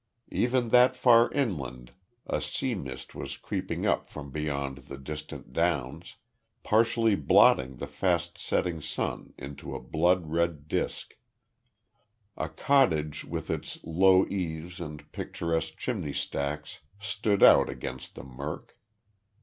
Even that far inland a sea mist was creeping up from beyond the distant downs, partially blotting the fast setting sun into a blood red disc. A cottage with its low eaves and picturesque chimney stacks stood out against the murk.